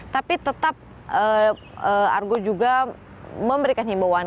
tapi tetap argo juga memberikan himbauan